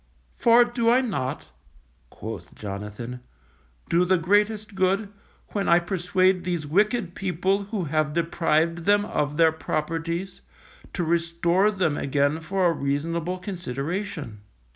For do I not, quoth Jonathan, _do the greatest good, when I persuade these wicked people who have deprived them of their properties, to restore them again for a reasonable consideration.